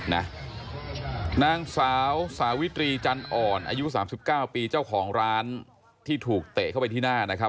นางสาวสาวิตรีจันอ่อนอายุ๓๙ปีเจ้าของร้านที่ถูกเตะเข้าไปที่หน้านะครับ